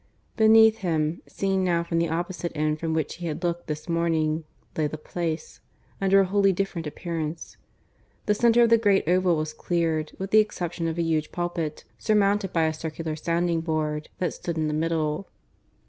Beneath him, seen now from the opposite end from which he had looked this morning, lay the Place, under a wholly different appearance. The centre of the great oval was cleared, with the exception of a huge pulpit, surmounted by a circular sounding board, that stood in the middle.